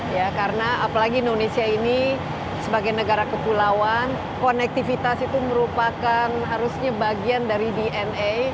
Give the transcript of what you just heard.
ya karena apalagi indonesia ini sebagai negara kepulauan konektivitas itu merupakan harusnya bagian dari dna